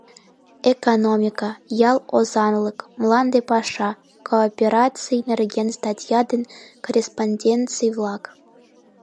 ЭКОНОМИКА, ЯЛ ОЗАНЛЫК, МЛАНДЕ ПАША, КООПЕРАЦИЙ НЕРГЕН СТАТЬЯ ДЕН КОРРЕСПОНДЕНЦИЙ-ВЛАК